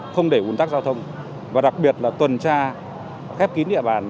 không để quân tác giao thông và đặc biệt là tuần tra khép kín địa bàn